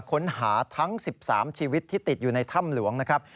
ค้นหาทั้ง๑๓ชีวิตที่ติดอยู่ในถ้ำหลวงนะครับ